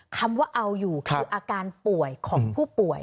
คำว่าเอาอยู่คืออาการป่วยของผู้ป่วย